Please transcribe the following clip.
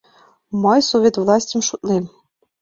— Мый совет властьым шотлем.